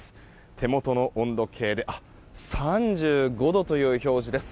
手元の温度計で３５度という表示です。